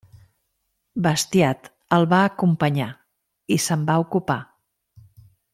Bastiat el va acompanyar i se'n va ocupar.